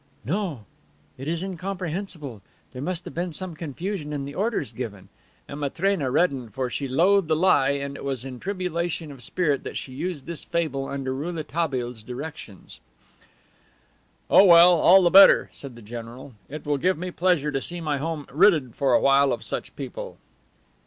"No. It is incomprehensible. There must have been some confusion in the orders given." And Matrena reddened, for she loathed a lie and it was in tribulation of spirit that she used this fable under Rouletabille's directions. "Oh, well, all the better," said the general. "It will give me pleasure to see my home ridded for a while of such people."